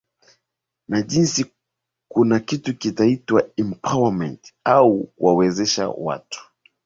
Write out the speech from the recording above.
na jinsi kuna kitu kinaitwa empowerment au kuwawezesha watu